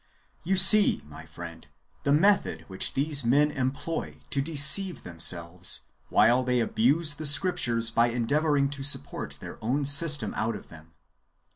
You see, my friend, the method which these men employ to deceive themselves, while they abuse the Scrip tures by endeavouring to support their own system out of them.